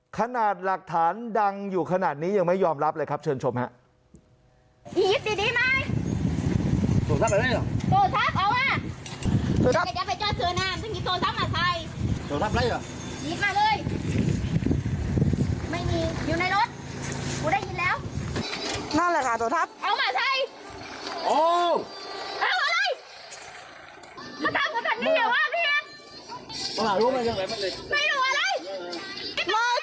ขนาดหลักฐานดังอยู่ขนาดนี้ยังไม่ยอมรับเลยครับเชิญชมครับ